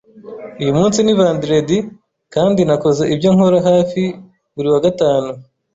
Uyu munsi ni vendredi, kandi nakoze ibyo nkora hafi buri wa gatanu.